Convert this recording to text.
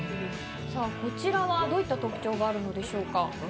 こちらはどういった特徴があるのでしょうか。